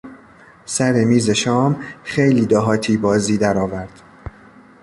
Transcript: سر میز شام خیلی دهاتی بازی درآورد.